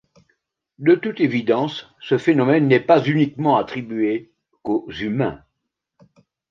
De toute évidence, ce phénomène n'est pas uniquement attribué qu'aux humains.